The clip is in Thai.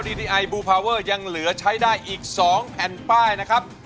ดีดีไอบูพาเวอร์ยังเหลือใช้ได้อีก๒แผ่นป้ายนะครับ